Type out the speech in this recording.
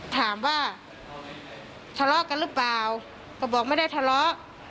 ถามว่าทะเลาะกันหรือเปล่าก็บอกไม่ได้ทะเลาะ